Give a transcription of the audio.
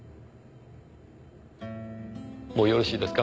もうよろしいですか？